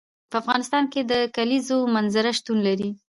په افغانستان کې د کلیزو منظره شتون لري.